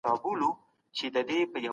وروسته پاته والی ډیری مختلف علتونه لري.